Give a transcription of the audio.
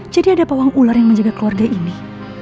jadi ada pawang ular yang menjaga keluarga ini